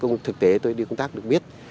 trong thực tế tôi đi công tác được biết